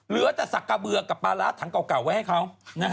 เหลือแต่สักกระเบือกับปลาร้าถังเก่าไว้ให้เขา